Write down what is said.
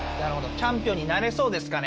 チャンピオンになれそうですかね？